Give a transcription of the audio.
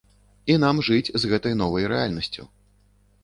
І нам жыць з гэтай новай рэальнасцю.